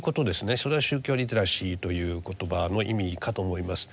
それが宗教リテラシーという言葉の意味かと思います。